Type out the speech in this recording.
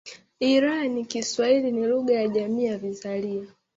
irani Kiswahili ni Lugha ya Jamii ya Vizalia